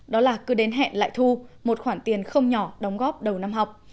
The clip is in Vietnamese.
đó là cứ đến hẹn lại thu một khoản tiền không nhỏ đóng góp đầu năm học